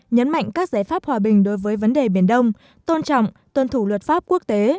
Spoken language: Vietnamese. nhấn mạnh các giải pháp hòa bình đối với vấn đề biển đông tôn trọng tuân thủ luật pháp quốc tế